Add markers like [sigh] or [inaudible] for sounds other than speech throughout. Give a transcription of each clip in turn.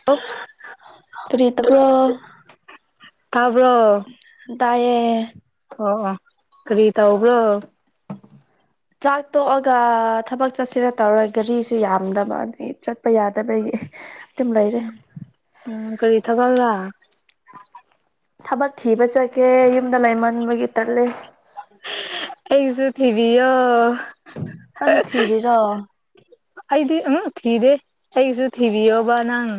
[unintelligible] ꯀꯔꯤ ꯇꯕ꯭ꯔꯣ ꯇꯥꯕ꯭ꯔꯣ ꯇꯥꯏꯌꯦ ꯑꯣ ꯑꯣ ꯀꯔꯤ ꯇꯧꯕ꯭ꯔꯣ ꯆꯥꯛ ꯇꯣꯛꯑꯒ ꯊꯕꯛ ꯆꯠꯁꯤꯔ ꯇꯧꯔꯒ ꯒꯥꯔꯤꯁꯨ ꯌꯥꯝꯗꯕ ꯑꯗꯗꯒꯤ ꯆꯠꯄ ꯌꯥꯗꯕꯒꯤ ꯑꯗꯨꯝ ꯂꯩꯔꯦ ꯎꯝ ꯀꯔꯤ ꯊꯥꯕꯛꯂꯥ ꯊꯕꯛ ꯊꯤꯕ ꯆꯠꯀꯦ ꯌꯨꯝꯗ ꯂꯩꯃꯟꯕꯒꯤ ꯇꯜꯂꯦ ꯑꯩꯁꯨꯨ ꯊꯤꯕꯤꯌꯣ ꯅꯪꯁꯨ ꯊꯤꯔꯤꯔꯣ ꯑꯩꯗꯤ ꯎꯪ ꯊꯤꯗꯦ ꯑꯩꯁꯨ ꯊꯤꯕꯤꯌꯣꯕ ꯅꯪ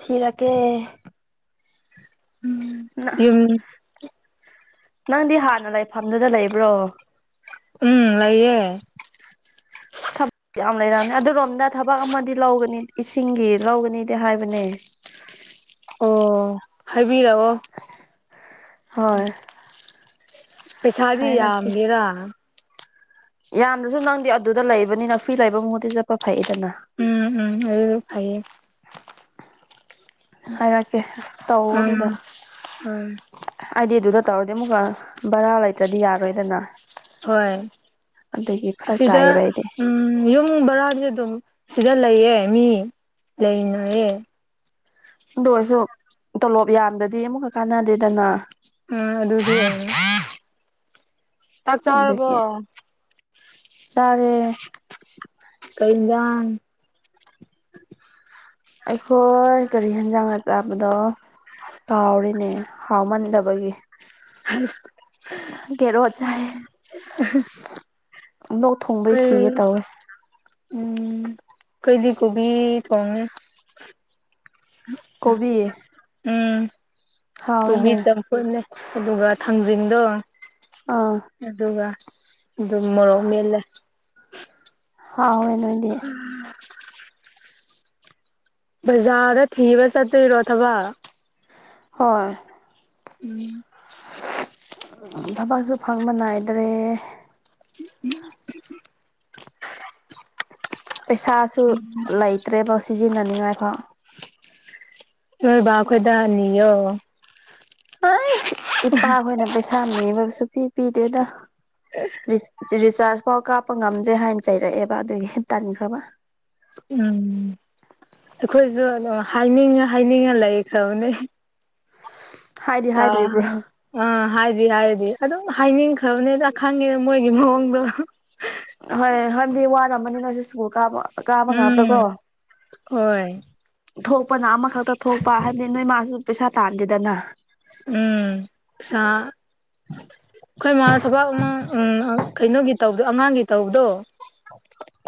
ꯊꯤꯔꯛꯀꯦ ꯎꯝ ꯅ ꯌꯨꯝ ꯅꯪꯗꯤ ꯍꯥꯟꯅ ꯂꯩꯐꯝꯗꯨꯗ ꯂꯩꯕ꯭ꯔꯣ ꯎꯝ ꯂꯩꯌꯦ ꯊꯕꯛ ꯌꯥꯝ ꯂꯩꯔꯝꯅꯤ ꯑꯗꯨꯔꯣꯝꯗ ꯊꯕꯛ ꯑꯃꯗꯤ ꯂꯧꯒꯅꯤ ꯏꯁꯤꯡꯒꯤ ꯂꯧꯒꯅꯤꯗꯤ ꯍꯥꯏꯕꯅꯦ ꯑꯣ ꯍꯥꯏꯕꯤꯔꯛꯑꯣ ꯍꯣꯏ ꯄꯩꯁꯥꯗꯤ ꯌꯥꯝꯒꯦꯔꯥ ꯌꯥꯝꯗ꯭ꯔꯁꯨ ꯅꯪꯗꯤ ꯑꯗꯨꯗ ꯂꯩꯕꯅꯤꯅ ꯐ꯭ꯔꯤ ꯂꯩꯕ ꯃꯍꯨꯠꯇꯤ ꯆꯠꯄ ꯐꯩꯗꯅ ꯎꯝ ꯎꯝ ꯑꯗꯨ ꯐꯩꯌꯦ ꯍꯥꯏꯔꯛꯀꯦ ꯇꯧꯑꯣ ꯑꯗꯨꯗ ꯎꯝ ꯎꯝ ꯑꯩꯗꯤ ꯑꯗꯨꯗ ꯇꯧꯔꯗꯤ ꯑꯃꯨꯛꯀ ꯕꯔꯥ ꯂꯩꯇ꯭ꯔꯗꯤ ꯌꯥꯔꯣꯏꯗꯅ ꯍꯣꯏ ꯑꯗꯨꯒꯤ ꯐꯔꯛ ꯑꯁꯤꯗ ꯇꯥꯏꯌꯦꯕ ꯑꯩꯗꯤ ꯎꯝ ꯌꯨꯝ ꯕꯔꯥꯗꯤ ꯑꯗꯨꯝ ꯁꯤꯗ ꯂꯩꯌꯦ ꯃꯤ ꯂꯩꯅꯩꯌꯦ ꯑꯗꯨ ꯑꯣꯏꯔꯁꯨ ꯇꯣꯂꯣꯞ ꯌꯥꯝꯗ꯭ꯔꯗꯤ ꯑꯃꯨꯛꯀ ꯀꯥꯟꯅꯗꯦꯗꯅ꯫ ꯑ ꯑꯗꯨ [unintelligible] ꯑꯗꯒꯤ ꯆꯥꯔꯦ꯫ ꯀꯩ ꯍꯤꯟꯁꯥꯡ꯫ ꯑꯩꯈꯣꯏ ꯀꯔꯤ ꯌꯦꯟꯖꯥꯡꯔ ꯆꯥꯕꯗꯣ꯫ ꯀꯥꯎꯔꯦꯅꯦ ꯍꯥꯎꯃꯟꯗꯕꯒꯤ꯫ ꯒꯦꯔꯣꯠ ꯆꯥꯌꯦ꯫ ꯂꫭꯛ ꯊꯨꯡ ꯀꯩ ꯎꯝ ꯀꯩꯗꯤ ꯀꯣꯕꯤ ꯊꯣꯡꯉꯦ꯫ ꯀꯣꯕꯤ꯫ ꯎꯝ꯫ ꯀꯣꯕꯤ ꯍꯥꯎꯋꯦꯅꯦ ꯆꯝꯐꯨꯠꯅꯦ ꯑꯗꯨꯒ ꯊꯥꯡꯖꯤꯡꯗꯣ ꯑꯥ ꯑꯗꯨꯒ ꯑꯗꯨꯝ ꯃꯣꯔꯣꯛ ꯃꯦꯠꯂꯦ꯫ ꯍꯥꯎꯋꯦ ꯅꯣꯏꯗꯤ꯫ ꯕꯖꯥꯔꯗ ꯊꯤꯕ ꯆꯠꯇ꯭ꯣꯏꯔꯣ ꯊꯕꯛ꯫ ꯍꯣꯏ꯫ [inaudible] ꯊꯕꯛꯁꯨ ꯐꯪꯕ ꯅꯥꯏꯗ꯭ꯔꯦ꯫ [unintelligible] ꯄꯩꯁꯥꯁꯨ ꯂꯩꯇ꯭ꯔꯦꯕ ꯁꯤꯖꯤꯟꯅꯅꯤꯡꯉꯥꯏꯐꯥꯎ꯫ ꯅꯣꯏ ꯕꯥ ꯈꯣꯏꯗ ꯅꯤꯌꯣ꯫ [unintelligible] ꯏꯄꯥꯈꯣꯏꯅ ꯄꯩꯁꯥ ꯅꯤꯕ ꯁꯨ ꯄꯤ ꯄꯤꯗꯦꯗ ꯔꯤ ꯔꯤꯆꯥꯔꯖ ꯐꯧ ꯀꯥꯞꯄ ꯉꯝꯖꯦ ꯍꯥꯏꯅ ꯆꯩꯔꯛꯑꯦꯕ ꯑꯗꯨꯒꯤ ꯇꯟꯈ꯭ꯔꯕ꯫ ꯎꯝ ꯑꯩꯈꯣꯏꯁꯨ ꯑꯗꯨ ꯍꯥꯏꯅꯤꯡꯉ ꯍꯥꯏꯅꯤꯡꯉ ꯂꯩꯈ꯭ꯔꯕꯅꯦ꯫ ꯍꯥꯏꯗꯤ ꯇꯥ ꯍꯥꯏꯗ꯭ꯔꯤꯕ꯭ꯔꯣ ꯑꯥ ꯍꯥꯏꯗꯤ ꯍꯥꯏꯗꯦ ꯑꯗꯨꯝ ꯍꯥꯏꯅꯤꯡꯈ꯭ꯔꯕꯅꯤꯗ ꯈꯪꯉꯦ ꯃꯣꯏꯒꯤ ꯃꯑꯣꯡꯗꯣ꯫ ꯍꯣꯏ ꯍꯥꯟꯗꯤ ꯋꯥꯔꯝꯝꯕꯅꯤꯅ ꯍꯧꯖꯤꯛ ꯁ꯭ꯀꯨꯜ ꯀꯥꯕ꯫ ꯀꯥꯕ ꯉꯥꯛꯇꯀꯣ ꯎꯝ ꯍꯣꯏ ꯊꯣꯛꯄꯅ ꯑꯃꯈꯛꯇ ꯊꯣꯛꯄ ꯍꯥꯏꯕꯗꯤ ꯅꯣꯏ ꯃꯥꯁꯨ ꯄꯩꯁꯥ ꯇꯥꯟꯗꯦꯗꯅ꯫ ꯎꯝ ꯄꯩꯁꯥ ꯑꯩꯈꯣꯏ ꯃꯥꯅ ꯊꯕꯛ ꯑꯃ ꯎꯝ ꯑ ꯀꯩꯅꯣꯒꯤ ꯇꯧꯕꯗꯣ ꯑꯉꯥꯡꯒꯤ ꯇꯧꯕꯗꯣ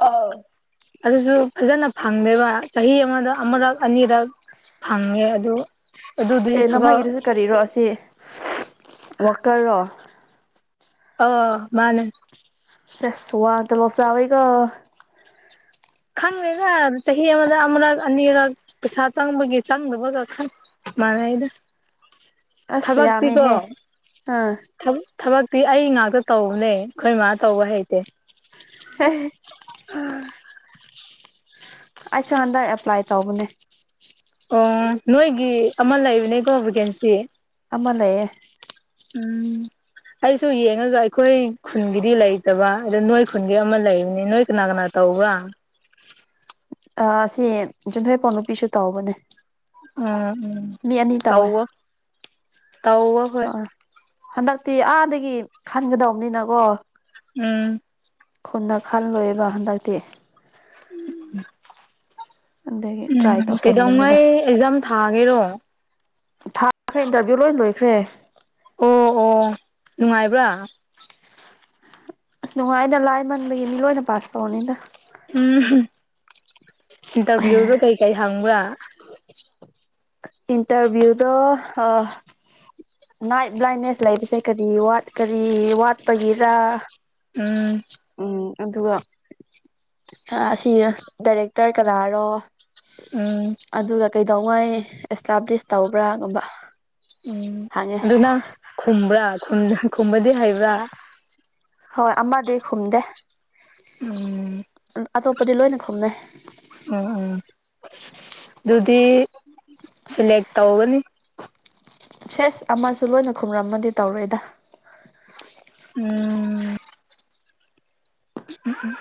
ꯑꯧ ꯑꯗꯨꯁꯨ ꯐꯖꯅ ꯐꯪꯗꯦꯕ ꯆꯍꯤ ꯑꯃꯗ ꯑꯃꯨꯔꯛ ꯑꯅꯤꯔꯛ ꯐꯪꯉꯦ ꯑꯗꯨ ꯑꯗꯨꯗꯤ ꯑꯦ ꯅꯃꯥ ꯊꯕꯛ ꯒꯤꯗꯨꯁꯨ ꯀꯔꯤꯔꯣ ꯑꯁꯤ ꯋꯥꯀꯔꯔꯣ꯫ ꯑꯧ ꯃꯥꯅꯦ꯫ ꯁꯦꯁ ꯋꯥ ꯇꫭꯂꫭꯞ ꯆꯥꯎꯋꯤꯀꫭ꯫ ꯈꯪꯗꯦꯗꯥ ꯆꯍꯤ ꯑꯃꯗ ꯑꯃꯨꯔꯛ ꯑꯅꯤꯔꯛ ꯄꯩꯁꯥ ꯆꯪꯕꯒꯤ ꯆꯪꯗꯕꯒ ꯈꯪ ꯃꯥꯅꯩꯗ꯫ ꯑꯁ ꯌꯥꯃꯦꯍꯦ ꯑꯥ꯫ ꯊꯕꯛꯇꯤ ꯑꯩ ꯉꯥꯛꯇ ꯇꯧꯕꯅꯦ ꯑꯩꯈꯣꯏ ꯃꯥ ꯇꯧꯕ ꯍꯩꯇꯦ꯫ [unintelligible] [unintelligible] ꯑꯩꯁꯨ ꯍꯟꯗꯛ ꯑꯦꯄ꯭ꯂꯥꯏ ꯇꯧꯕꯅꯦ꯫ ꯑꯣ ꯅꯣꯏꯒꯤ ꯑꯃ ꯂꯩꯕꯅꯦꯀꯣ ꯚꯦꯀꯦꯟꯁꯤ꯫ ꯑꯃ ꯂꯩꯌꯦ꯫ ꯎꯝ꯫ ꯑꯩꯁꯨ ꯌꯦꯡꯑꯒ ꯑꯩꯈꯣꯏ ꯈꯨꯟꯒꯤꯗꯤ ꯂꯩꯇꯕ ꯑꯗꯨ ꯅꯣꯏ ꯈꯨꯟꯒꯤ ꯑꯃ ꯂꯩꯕꯅꯤ ꯅꯣꯏ ꯀꯅꯥ ꯀꯅꯥ ꯇꯧꯕ꯭ꯔꯥ꯫ ꯑ ꯁꯤ ꯌꯨꯝꯊꯣꯏꯄꯥꯎ ꯅꯨꯄꯤꯁꯨ ꯇꯧꯕꯅꯦ꯫ ꯎꯝ ꯃꯤ ꯑꯅꯤ ꯎꯝ ꯀꯧ ꯑ ꯍꯟꯗꯛꯇꯤ ꯑꯥꯗꯒꯤ ꯈꯟꯒꯗꯕꯅꯤꯅꯀꯣ ꯎꯝ ꯈꯨꯟꯅ ꯈꯜꯂꯣꯏꯕ ꯍꯟꯗꯛꯇꯤ ꯎꯝ ꯑꯗꯒꯤ ꯇ꯭ꯔꯥꯏ ꯎꯝ ꯇꯧꯁꯟꯕꯅꯤꯗ ꯀꯩꯗꯧꯉꯩ ꯑꯦꯛꯖꯥꯝ ꯊꯥꯒꯦꯔꯣ ꯊꯥꯈ꯭ꯔꯦ ꯏꯟꯇꯔꯚꯤꯌꯨ ꯂꯣꯏ ꯂꯣꯏꯈ꯭ꯔꯦ ꯑꯣ ꯑꯣ ꯅꯨꯡꯉꯥꯏꯕ꯭ꯔꯥ ꯑꯁ ꯅꯨꯡꯉꯥꯏꯅ ꯂꯥꯏ ꯃꯟꯕꯒꯤ ꯃꯤ ꯂꯣꯏꯅ ꯄꯥꯁ ꯇꯧꯔꯅꯤꯗ ꯎꯝ ꯏꯟꯇꯔꯚꯤꯌꯨꯗ ꯀꯩꯀꯩ ꯍꯪꯕ꯭ꯔꯥ ꯏꯟꯇꯔꯚꯤꯌꯨꯗ ꯑ ꯅꯥꯏꯠ ꯕ꯭ꯂꯥꯏꯅꯦꯁ ꯂꯩꯕꯁꯦ ꯀꯔꯤꯠ ꯀꯔꯤ ꯋꯥꯠꯄꯒꯤꯔ ꯎꯝ ꯎꯝ ꯑꯗꯨꯒ ꯑꯁꯤ ꯗꯥꯏꯔꯦꯛꯇꯔ ꯀꯅꯥꯔꯣ ꯎꯝ ꯑꯗꯨꯒ ꯀꯩꯗꯧꯉꯩ ꯑꯦꯁꯇꯥꯕ꯭ꯂꯤꯁ ꯇꯧꯕ꯭ꯔꯥꯒꯨꯝꯕ ꯎꯝ ꯍꯪꯉꯦ ꯑꯗꯨꯅ ꯈꯨꯝꯕ꯭ꯔꯥ ꯈꯨꯝꯕꯗꯤ ꯍꯩꯕ꯭ꯔꯥ ꯍꯣꯏ ꯑꯃꯗꯤ ꯈꯨꯝꯗꯦ ꯎꯝ ꯑꯇꯣꯞꯄꯗꯤ ꯂꯣꯏꯅ ꯈꯨꯝꯅꯩ ꯎꯝ ꯎꯝ ꯑꯗꯨꯗꯤ ꯁꯂꯦꯛ ꯇꯧꯒꯅꯤ ꯁꯦꯁ ꯑꯃꯁꯨ ꯂꯣꯏꯅ ꯈꯨꯝꯔꯝꯃꯗꯤ ꯇꯧꯔꯣꯏꯗ ꯎꯝ ꯎꯝ ꯎꯝ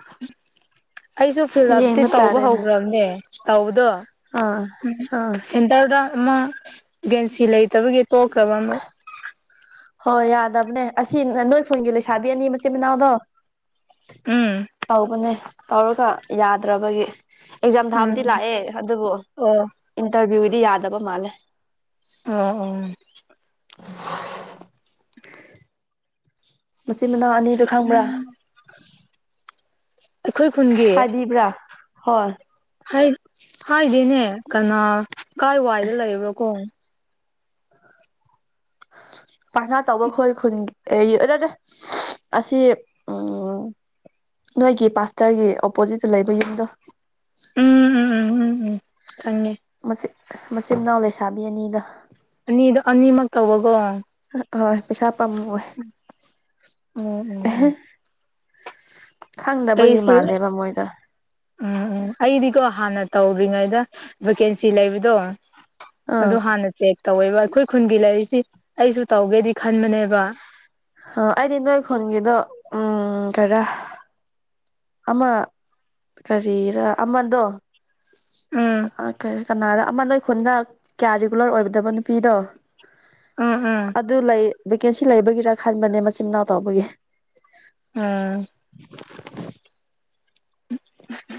ꯑꯩꯁꯨ ꯐꯤꯜ ꯑꯞꯇꯤ ꯌꯦꯡꯕ ꯇꯧꯕ ꯇꯥꯔꯦꯅ ꯍꯧꯈ꯭ꯔꯕꯅꯦ ꯇꯧꯕꯗꯣ ꯑꯥ ꯑꯥ ꯁꯦꯟꯇꯔꯗ ꯑꯃ ꯒꯦꯟꯁꯤ ꯂꯩꯇꯕꯒꯤ ꯇꯣꯛꯈ꯭ꯔꯕ ꯑꯃ ꯍꯣꯏ ꯌꯥꯗꯕꯅꯦ ꯑꯁꯤ ꯅꯣꯏ ꯈꯣꯏꯟꯒꯤ ꯂꯩꯁꯥꯕꯤ ꯑꯅꯤ ꯃꯆꯤꯟ ꯃꯅꯥꯎꯗꯣ ꯎꯝ ꯇꯧꯕꯅꯦ ꯇꯧꯔꯒ ꯌꯥꯗ꯭ꯔꯕꯒꯤ ꯑꯦꯛꯖꯥꯝ ꯊꯥꯕꯨꯗꯤ ꯎꯝ ꯂꯥꯛꯑꯦ ꯑꯗꯨꯕꯨ ꯑꯣ ꯏꯟꯇꯔꯚꯤꯌꯨꯗꯤ ꯌꯥꯗꯕ ꯃꯥꯜꯂꯦ ꯑ ꯑꯣ ꯃꯆꯤꯟ ꯃꯅꯥꯎ ꯑꯅꯤꯗꯨ ꯈꯪꯕ꯭ꯔꯥ ꯑꯩꯈꯣꯏ ꯈꯨꯨꯝꯒꯦ ꯐꯗꯤꯕ꯭ꯔꯥ ꯍꯣꯏ ꯍꯥꯏꯗꯤꯅꯦ ꯀꯅꯥ ꯀꯥꯏ ꯋꯥꯏꯗ ꯂꯩꯕ꯭ꯔꯣ ꯀꯣ ꯄꯥꯔꯊꯅꯥ ꯇꯧꯕ ꯈꯣꯏ ꯈꯨꯟꯒꯤ ꯑꯗꯨꯗ ꯑꯁꯤ ꯎꯝ ꯅꯣꯏꯒꯤ ꯄꯥꯁꯇꯔꯒꯤ ꯑꯣꯄꯣꯖꯤꯠꯇ ꯂꯩꯕ ꯌꯨꯝꯗꯣ ꯎꯝ ꯎꯝ ꯎꯝ ꯎꯝ ꯎꯝ ꯈꯪꯉꯦ ꯃꯆ ꯃꯆꯤꯟ ꯃꯅꯥꯎ ꯂꯩꯁꯥꯕꯤ ꯑꯅꯤꯗ ꯑꯅꯤꯗꯣ ꯑꯅꯤꯃꯛ ꯇꯧꯕꯒꯣ ꯍꯣꯏ ꯄꯩꯁꯥ ꯄꯥꯝꯃꯋꯦ ꯎꯝ ꯎꯝ ꯈꯪꯗꯕꯒꯤ ꯑꯩꯁꯨ ꯃꯥꯜꯂꯦꯕ ꯃꯣꯏꯗ ꯎꯝ ꯎꯝ ꯑꯩꯗꯤꯀꯣ ꯍꯥꯟꯅ ꯇꯧꯔꯤꯉꯩꯗ ꯚꯦꯀꯦꯟꯁꯤ ꯂꯩꯕꯗꯣ ꯑꯥ ꯑꯗꯨ ꯍꯥꯟꯅ ꯆꯦꯛ ꯇꯧꯋꯦꯕ ꯑꯩꯈꯣꯏ ꯈꯨꯟꯒꯤ ꯂꯥꯏꯔꯤꯛꯁꯤ ꯑꯩꯁꯨ ꯇꯧꯒꯦꯗꯤ ꯈꯟꯕꯅꯦꯕ ꯑꯣ ꯑꯩꯗꯤ ꯅꯣꯏ ꯈꯨꯟꯒꯤꯗꯣ ꯎꯝ ꯈꯔ ꯑꯃ ꯀꯔꯤꯔ ꯑꯃꯗꯣ ꯎꯝ ꯎꯝ ꯀꯅꯥꯔꯣ ꯑꯃꯅ ꯑꯩ ꯈꯨꯟꯗ ꯀꯌꯥ ꯔꯤꯒꯨꯂꯔ ꯑꯣꯏꯕꯗꯕ ꯅꯨꯄꯤꯗꯣ ꯎꯝ ꯎꯝ ꯑꯗꯨ ꯂꯩ ꯕꯦꯀꯦꯟꯁꯤ ꯂꯩꯕꯒꯤꯔꯥ ꯈꯟꯕꯅꯦ ꯃꯆꯤꯟ ꯃꯅꯥꯎ ꯇꯧꯕꯒꯤ ꯑꫭ [unintelligible]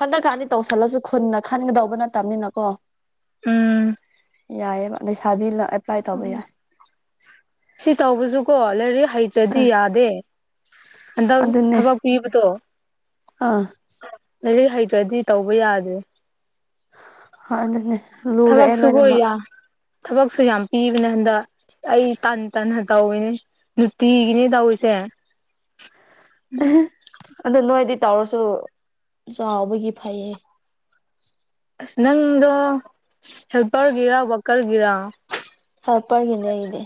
ꯍꯟꯗꯛꯀꯥꯟꯗꯤ ꯇꯧꯁꯜꯂꯁꯨ ꯈꯨꯟꯅ ꯈꯟꯒꯗꯧꯕ ꯅꯠꯇꯕꯅꯤꯅ ꯀꯣ ꯎꯝ ꯌꯥꯏꯌꯦꯦ ꯂꯩꯁꯥꯕꯤ ꯎꯝ ꯁꯤ ꯇꯧꯕꯁꯨ ꯀꯣ ꯂꯥꯏꯔꯛ ꯍ ꯑ ꯗꯤ ꯌꯥꯗꯦ ꯍꯟꯗꯛ ꯑꯗꯨꯅꯦ ꯊꯕꯛ ꯄꯤꯕꯗꯣ ꯑꯥ ꯂꯥꯏꯔꯤꯛ ꯍꯩꯇ꯭ꯔꯗꯤ ꯇꯧꯕ ꯌꯥꯗꯦ ꯍ ꯑꯗꯨꯅꯦ ꯊꯕꯛ ꯂꯨꯔꯛꯑꯦ ꯁꯈꯣ ꯂꯣꯏꯅꯃꯛ ꯊꯕꯛꯁꯨ ꯌꯥꯝ ꯄꯤꯕꯅꯦ ꯍꯟꯗꯛ ꯑꯩ ꯇꯟ ꯇꯟ ꯇꯧꯏꯤꯅꯦ ꯅꯨꯡꯇꯤꯒꯤꯅꯦ ꯇꯧꯏꯁꯦ ꯑꯗꯨ ꯅꯣꯏꯗꯤ ꯇꯧꯔꯁꯨ ꯆꯥꯎꯕꯒꯤ ꯐꯩꯌꯦ ꯑ ꯅꯪꯗꯣ ꯍꯦꯜꯄꯔꯒꯤꯔ ꯋꯥꯀꯔꯒꯤꯔ ꯍꯜꯄꯒꯅꯦ ꯏꯗꯤ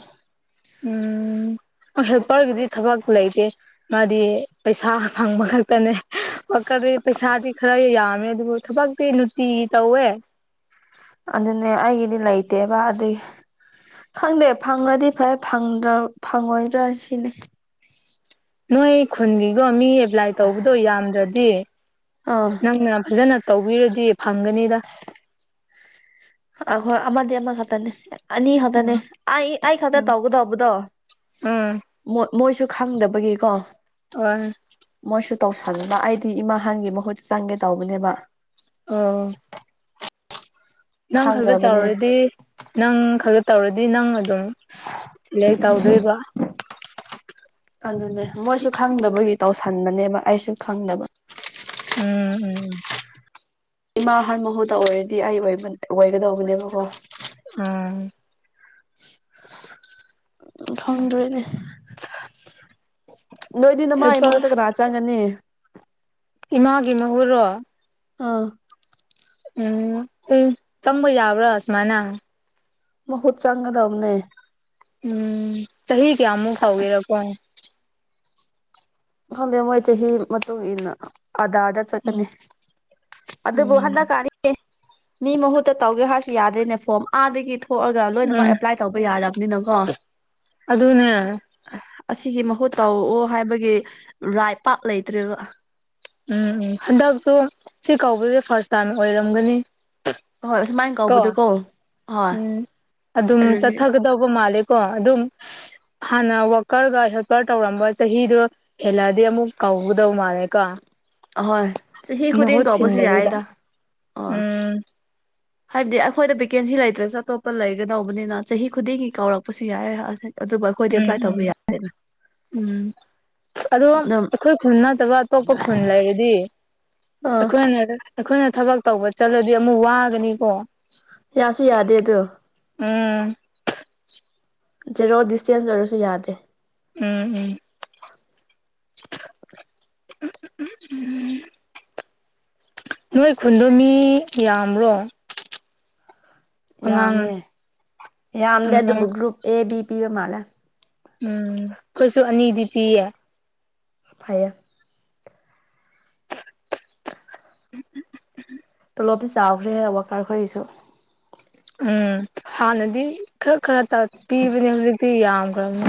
ꯎꯝ ꯍꯦꯜꯄꯔꯒꯤꯗꯤ ꯊꯕꯛ ꯂꯩꯇꯦ ꯃꯥꯗꯤ ꯄꯩꯁꯥ ꯐꯪꯕ ꯈꯛꯇꯅꯦ ꯋꯥꯀꯗꯤ ꯄꯩꯁꯥꯗꯤ ꯈꯔ ꯌꯥꯝꯃꯦ ꯑꯗꯨꯕꯨ ꯊꯕꯛ ꯂꯨꯇꯤ ꯇꯧꯋꯦ ꯑꯗꯨꯅꯦ ꯑꯩꯒꯤꯗꯤ ꯂꯩꯇꯦꯕ ꯑꯗꯨꯒꯤ ꯈꯪꯗꯦ ꯐꯪꯉꯗꯤ ꯐꯩ꯭ꯔ ꯐꯪꯉꯣꯏꯗ꯭ꯔꯥ ꯁꯤꯅꯤ ꯅꯣꯏ ꯈꯨꯟꯒꯤꯒꯣ ꯃꯤ ꯑꯦꯄ꯭ꯂꯥꯏ ꯇꯧꯕꯗꯣ ꯌꯥꯝꯗ꯭ꯔꯗꯤ ꯑꯥ ꯅꯪꯅ ꯐꯖꯅ ꯇꯧꯕꯤꯔꯗꯤ ꯐꯪꯒꯅꯤꯗ ꯑꯘꯔ ꯑꯃꯥꯗꯤ ꯑꯃꯥ ꯍ ꯇꯅꯦ ꯅꯤ ꯈꯗꯅꯦ ꯎꯝ ꯑꯩ ꯑꯩ ꯈꯗ ꯎꯝ ꯇꯥꯎꯕꯗꯕꯗꯣ ꯎꯝ ꯃꯣꯏꯁꯨ ꯈꯪꯗꯕꯒꯤꯀꯣ ꯑꯣ ꯃꯣꯏꯁꯨ ꯇꯧꯁꯅꯕ ꯑꯩꯗꯤ ꯏꯃꯥ ꯍꯥꯟꯒꯤ ꯃꯍꯨꯠꯇ ꯆꯪꯒꯦ ꯇꯧꯕꯅꯦꯕ ꯑꯣ ꯅꯪ ꯈꯛꯇ ꯈꯪꯗ꯭ꯔꯕꯅꯦ ꯇꯧꯔꯗꯤ ꯅꯪ ꯈꯛꯇ ꯇꯧꯔꯗꯤ ꯅꯪ ꯑꯗꯨꯝ ꯏꯂ ꯇꯥꯎꯗꯣꯏꯕ ꯑꯗꯨꯅꯦ ꯃꯣꯏꯁꯨ ꯈꯪꯗꯕꯒꯤ ꯇꯧꯁꯟꯕꯅꯦꯕ ꯑꯩꯁꯨ ꯈꯪꯗꯕ ꯎꯝ ꯎꯝꯝ ꯏꯃꯥ ꯑꯍꯟ ꯃꯍꯨꯠꯇ ꯑꯣꯏꯔꯗꯤ ꯑꯩꯕ ꯑꯣꯏꯒꯗꯧꯕꯅꯦꯕꯀꯣ ꯎꯝ ꯎ ꯈꯪꯗꯣꯏꯅꯦ ꯅꯣꯏꯗꯤ ꯅ ꯃꯥ ꯑꯩ ꯃꯒ ꯍꯦꯜꯄꯔ ꯇꯒ ꯔꯥ ꯆꯒꯅꯤ ꯏꯃꯥꯒꯤ ꯃꯍꯨꯣ ꯑꯥ ꯎꯝ ꯆꯪꯕ ꯌꯥꯕ꯭ꯔꯥ ꯑꯁꯃꯅ ꯃꯍꯠ ꯆꯥꯡꯒꯥ ꯊꯝꯅꯦ ꯎꯝ ꯆꯍꯤ ꯀꯌꯥꯃꯨꯛ ꯈ ꯇꯧꯒꯦꯔꯀꯣ ꯍꯗꯦ ꯃꯣꯏꯣꯏ ꯆꯍꯤ ꯆꯍꯤꯍꯤ ꯃ ꯏꯅ ꯑꯗꯥꯗ ꯎꯝ ꯅꯤ ꯑꯗ ꯣꯍꯟꯗ ꯎꯝ ꯀꯥꯔꯤ ꯑꯦ ꯃꯤ ꯃꯍꯨꯠꯇ ꯇꯧꯒꯦ ꯍꯥꯏꯔꯁꯨ ꯌꯥꯗ꯭ꯔꯦꯅꯦ ꯐꯣꯝ ꯑꯥꯗꯒꯤ ꯊꯣꯛꯑꯒ ꯂꯣꯏꯅꯃꯛ ꯎꯝ ꯑꯦꯄ꯭ꯂꯥꯏ ꯇꯧꯕ ꯌꯥꯔꯕꯅꯤꯅꯀꯣ ꯑꯗꯨꯅꯦ ꯑꯁꯤꯒꯤ ꯃꯍꯨꯠ ꯇꯧꯑꯣ ꯍꯥꯏꯕꯒꯤ ꯔꯥꯏ ꯄꯥꯛꯠ ꯂꯩꯇ꯭ꯔꯦꯕ ꯎꯝ ꯎꯝ ꯍꯟꯗꯛꯁꯨ ꯁꯤ ꯀꯧꯕꯁꯦ ꯐꯥꯔꯁ ꯇꯥꯏꯝ ꯑꯣꯏꯔꯝꯒꯅꯤ ꯍꯣꯏ ꯑꯁꯨꯃꯥꯏꯅ ꯀꯣ ꯀꯧꯕꯗꯨꯀꯣ ꯍꯣꯏ ꯎꯝ ꯑꯗꯨꯝ ꯑꯗꯨꯒꯤ ꯆꯠꯊꯒꯗꯧꯕ ꯃꯥꯜꯂꯦ ꯀꯣ ꯑꯗꯨꯝ ꯍꯥꯟꯅ ꯋꯥꯀꯔꯒ ꯍꯦꯜꯄꯔ ꯇꯧꯔꯝꯕ ꯆꯍꯤꯗꯣ ꯑꯦꯂꯗ ꯑꯃ ꯀꯧꯗꯧ ꯃꯥꯅꯦꯦꯀꯣ ꯑꯍꯣꯏ ꯆꯍꯤ ꯈꯨꯗꯤꯡ ꯀꯧꯕꯁꯤ ꯁꯤꯟꯗꯕꯤꯗ ꯌꯥꯏꯗ ꯑꯣ ꯎꯝ ꯍꯥꯏꯕꯗꯤ ꯑꯩꯈꯣꯏꯗ ꯕꯦꯀꯦꯟꯁꯤ ꯂꯩꯇ꯭ꯔꯁꯨ ꯑꯇꯣꯞꯄ ꯂꯩꯒꯗꯧꯕꯅꯤꯅ ꯆꯍꯤ ꯈꯨꯗꯤꯡꯒꯤ ꯀꯥꯎꯔꯛꯄꯁꯨ ꯌꯥꯏꯔꯦꯁꯦ ꯑꯩꯈꯣꯏꯗꯤ ꯎꯝ ꯑꯦꯄ꯭ꯂꯥꯏ ꯇꯧꯕ ꯎꯝ ꯌꯥꯗꯦꯅ ꯎꯝ ꯑꯗꯣ ꯑꯗꯨꯝ ꯑꯩꯈꯣꯏ ꯈꯨꯟ ꯅꯠꯇꯕ ꯑꯇꯣꯞꯄ ꯈꯨꯟ ꯂꯩꯔꯗꯤ ꯑꯥ ꯑꯩꯈꯣꯏꯅ ꯑꯩꯈꯣꯏꯅ ꯊꯕꯛ ꯇꯧꯕ ꯆꯠꯂꯗꯤ ꯑꯃꯨꯛ ꯋꯥꯒꯅꯤꯀꯣ ꯌꯥꯁꯨ ꯌꯥꯗꯦ ꯑ ꯑꯗꯨꯣ ꯎꯝ ꯖꯦꯔꯣ ꯗꯤꯁꯇꯦꯟꯁ ꯑꯣꯏꯔꯁꯨ ꯌꯥꯗꯦ ꯎꯝ ꯎꯝ [unintelligible] ꯅꯣꯏ ꯈꯨꯟꯗꯣ ꯃꯤ ꯌꯥꯝ꯭ꯔꯣ ꯌꯥꯝꯉꯦ ꯌꯥꯝꯗꯦ ꯑꯉꯥꯡ ꯑꯗꯨꯕꯨ ꯒ꯭ꯔꯨꯞ ꯑꯦ ꯕꯤ ꯄꯤꯕ ꯃꯥꯜꯂꯦ ꯎꯝ ꯀꯩꯁꯨ ꯑꯅꯤꯗꯤ ꯄꯤꯌꯦ ꯐꯥꯏ [unintelligible] ꯄꯨꯂꯣꯞꯗꯤ ꯆꯥꯎꯈ꯭ꯔꯦ ꯋꯥꯀꯔꯈꯣꯏꯁꯨ ꯎꯝ ꯍꯥꯟꯅꯗꯤ ꯈꯔ ꯈꯔ ꯄꯤꯕꯅꯦ ꯍꯧꯖꯤꯛꯇꯤ ꯌꯥꯝꯈ꯭ꯔꯕꯅꯤ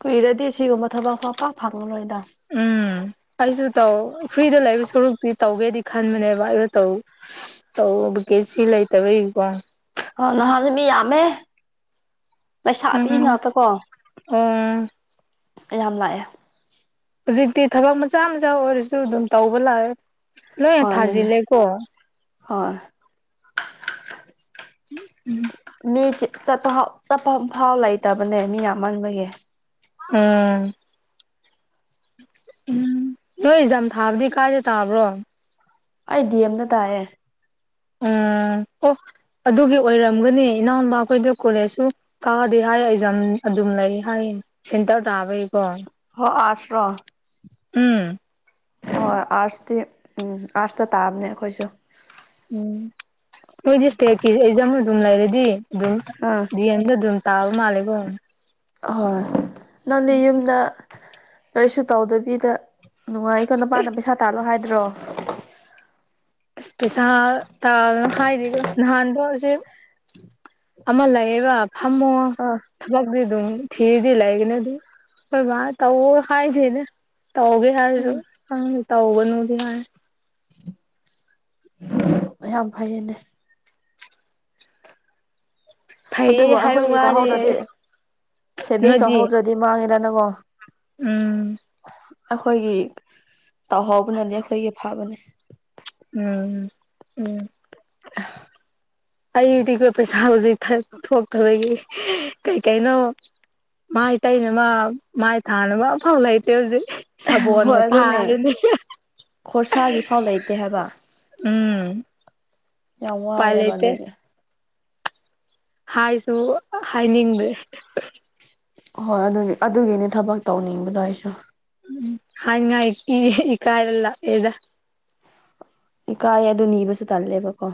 ꯀꯨꯏꯔꯗꯤ ꯁꯤꯒꯨꯝꯕ ꯊꯕꯛ ꯐꯄ ꯐꯪꯉꯔꯣꯏꯗ ꯎꯝ ꯑꯩꯁꯨ ꯇꯧ ꯐ꯭ꯔꯤꯗ ꯂꯩꯕ ꯁꯔꯨꯛꯇꯤ ꯇꯧꯒꯦꯗꯤ ꯈꯟꯕꯅꯦꯕ ꯑꯩꯁꯨ ꯇꯧ ꯇꯧꯕ ꯀꯦ ꯁꯤ ꯂꯩꯇꯕ ꯏꯀꯣ ꯑꯣ ꯅꯍꯥꯟ ꯑꯗꯨꯃꯤ ꯌꯥꯃꯦ ꯄꯩꯁꯥ ꯄꯤꯏ ꯎꯝ ꯉꯥꯛꯇ ꯀꯣ ꯑꯣ ꯀꯌꯥꯝ ꯂꯥꯛꯑꯦ ꯍꯧꯖꯤꯛꯇꯤ ꯊꯕꯛ ꯃꯆꯥ ꯃꯆꯥ ꯑꯣꯏꯔꯁꯨ ꯑꯗꯨꯝ ꯇꯧꯕ ꯂꯥꯛꯑꯦ ꯂꯣꯏꯅ ꯍꯣꯏ ꯑꯗꯨꯅꯦ ꯊꯥꯖꯤꯜꯂꯦꯀꯣ ꯍꯣꯏ ꯎꯝ ꯎꯝ ꯃꯤ ꯆꯠꯄꯥꯎ ꯆꯠꯄꯐꯥꯎ ꯂꯩꯇꯕꯅꯦ ꯃꯤ ꯌꯥꯝꯃꯟꯕꯒꯤ ꯎꯝ ꯎꯝ ꯅꯣꯏ ꯛꯖꯥꯝ ꯊꯥꯕꯗꯤ ꯀꯥꯏꯗꯦ ꯇꯥꯕ꯭ꯔꯣ ꯑꯩꯗꯤ ꯑꯦꯝꯅ ꯇꯥꯏꯌꯦꯦ ꯎꯝ ꯑꯣ ꯑꯗꯨꯒꯤ ꯑꯣꯏꯔꯝꯒꯅꯤ ꯏꯅꯥꯎꯄꯥ ꯑꯩꯈꯣꯏꯗ ꯀꯣꯂꯦꯖꯁꯨ ꯇꯥꯗꯤ ꯍꯥꯏ ꯑꯦꯖꯥꯝ ꯑꯗꯨꯝ ꯂꯩ ꯍꯥꯏꯌꯦ ꯁꯦꯟꯇꯔ ꯇꯥꯕꯩꯀꯣ ꯍ ꯑꯁ꯭ꯔꯣ ꯎꯝ ꯍꯣꯏꯣꯏ ꯑꯥꯔꯠꯁꯇꯤ ꯎꯝ ꯑꯥꯔꯠꯁꯇ ꯇꯥꯕꯅꯦ ꯑꯩꯈꯣꯏꯁꯨ ꯎꯝ ꯅꯣꯏꯗꯤ ꯏꯁꯇꯦꯠꯀꯤ ꯑꯦꯖꯝ ꯑꯗꯨꯝ ꯂꯩꯔꯗꯤ ꯑꯗꯨꯝ ꯑꯥ ꯗꯤ ꯑꯦꯝꯗ ꯑꯗꯨꯝ ꯇꯥꯜ ꯃꯥ ꯂꯩꯕꯣꯣꯡ ꯑꯍꯣꯏ ꯅꯪꯗꯤ ꯌꯨꯝꯗ ꯀꯔꯤꯁꯨ ꯇꯧꯗꯕꯤꯗ ꯅꯨꯡꯉꯥꯏ ꯑꯩꯈꯣ ꯅꯨꯄꯥꯥꯟꯗ ꯄꯩꯁꯥ ꯇꯥꯜꯂꯣ ꯍꯥꯏꯗ꯭ꯔꯣ ꯄꯩꯁꯥ ꯇꯥꯜꯂꯣ ꯍꯥꯏꯔꯤꯕ ꯅꯍꯥꯟꯗꯣ ꯍꯧꯖꯤꯛ ꯑꯃ ꯂꯩꯌꯦꯕ ꯐꯝꯃꯣ ꯑꯥ ꯊꯕꯛꯗꯤ ꯑꯗꯨꯝ ꯊꯤꯔꯗꯤ ꯂꯩꯒꯅꯤ ꯑꯗꯨ ꯑꯩꯈꯣꯏ ꯕꯥꯅ ꯇꯧꯒ ꯍꯥꯏꯗꯦꯅꯦ ꯇꯧꯒꯦ ꯍꯥꯏꯔꯁꯨ ꯎꯝ ꯈꯪꯗꯦ ꯇꯧꯒꯅꯨꯗꯤ ꯍꯥꯏ ꯌꯥꯝ ꯐꯩꯌꯦꯅꯦ ꯑꯗꯨꯕꯨ ꯐꯩꯌꯦ ꯍꯥꯏꯕ ꯑꯩꯈꯣꯏꯒꯤ ꯋꯥꯅꯦ ꯇꯥꯍꯧꯗ꯭ꯔꯗꯤ ꯁꯦꯚꯤꯡ ꯅꯣꯏꯗꯤ ꯇꯧꯍꯧꯗ꯭ꯔ ꯗꯤ ꯃꯥꯡꯉꯤꯗꯅꯀꯣ ꯎꯝ ꯑꯩꯈꯣꯏꯒꯤ ꯇꯧꯍꯧꯕꯅꯗꯤ ꯑꯩꯈꯣꯏꯒꯤ ꯐꯕꯅꯦ ꯎꯝ ꯎꯝ ꯑꯩꯗꯤ ꯄꯩꯁꯥ ꯍꯧꯖꯤꯛ ꯊꯣꯛꯇꯕꯒꯤ ꯀꯩ ꯀꯩꯅꯣ ꯃꯥꯏ ꯇꯩꯅꯕ ꯃꯥꯏ ꯊꯥꯅꯕ ꯑꯝꯐꯥꯎ ꯂꯩꯇꯦ ꯍꯧꯖꯤꯛ ꯁꯥꯕꯣꯜꯅ ꯍꯣꯏ ꯑꯗꯨꯅꯦ ꯊꯥꯔꯅꯦ ꯈꯣꯔꯁꯥꯒꯤ ꯐꯥꯎ ꯂꯩꯇꯦ ꯍꯥꯏꯕ ꯎꯝ ꯌꯥꯝ ꯎꯄꯥꯏ ꯋꯥꯔꯦꯕ ꯂꯩꯇꯦ ꯑꯗꯨꯒꯤ ꯍꯥꯏꯁꯨ ꯍꯥꯏꯅꯤꯡꯗꯦ ꯍꯣꯏ ꯑꯗꯨꯒꯤ ꯑꯗꯨꯒꯤꯅꯦ ꯊꯕꯛ ꯇꯧꯅꯤꯡꯕꯗꯣ ꯑꯩꯁꯨ ꯎꯟ ꯍꯥꯏꯅꯤꯡꯉꯥꯏꯗꯤ ꯏꯀꯥꯏꯔ ꯂꯥꯛꯑꯦꯗ ꯏꯀꯥꯏꯌꯦ ꯑꯗꯨ ꯅꯤꯕꯁꯨ ꯇꯜꯂꯦꯕꯀꯣ